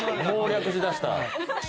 もう略し出した。